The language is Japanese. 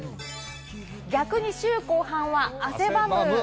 逆に週後半は汗ばむ。